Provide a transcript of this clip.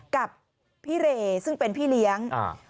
กับพี่เรซึ่งเป็นพี่เลี้ยง